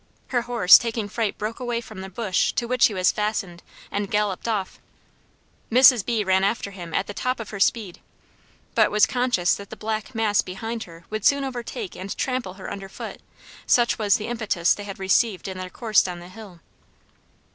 Her horse taking fright broke away from the bush to which he was fastened and galloped off. Mrs. B ran after him at the top of her speed, but was conscious that the black mass behind her would soon overtake and trample her under foot, such was the impetus they had received in their course down the hill.